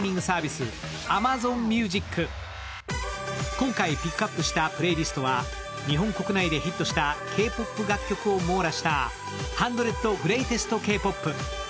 今回ピックアップしたプレイリストは日本国内でヒットしたＫ−ＰＯＰ楽曲を網羅した１００ＧｒｅａｔｅｓｔＫ−Ｐｏｐ。